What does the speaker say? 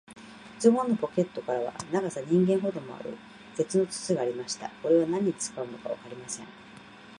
ズボンのポケットからは、長さ人間ほどもある、鉄の筒がありました。これは何に使うのかわかりません。